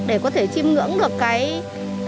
để có thể chìm ngưỡng được cái vẻ